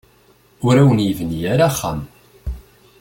Ur awen-yebni ara axxam.